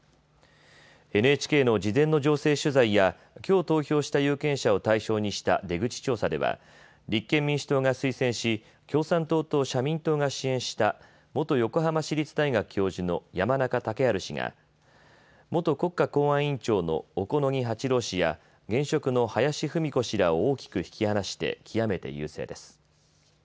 ＮＨＫの事前の情勢取材やきょう投票した有権者を対象にした出口調査では立憲民主党が推薦し共産党と社民党が支援した元横浜市立大学教授の山中竹春氏が元国家公安委員長の小此木八郎氏や現職の林文子氏らを大きく引き離して極めて優勢です。